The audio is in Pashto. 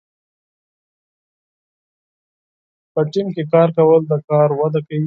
په ټیم کې کار کول د کار وده کوي.